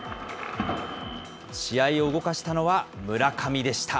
試合を動かしたのは村上でした。